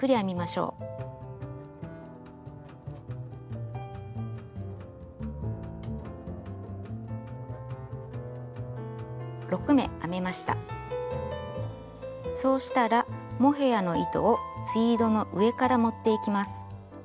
そうしたらモヘアの糸をツイードの上から持っていきます。